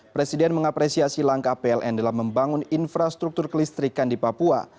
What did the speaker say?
presiden mengapresiasi langkah pln dalam membangun infrastruktur kelistrikan di papua